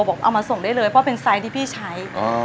บอกเอามาส่งได้เลยเพราะเป็นไซส์ที่พี่ใช้